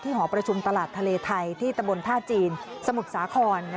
หอประชุมตลาดทะเลไทยที่ตะบนท่าจีนสมุทรสาคร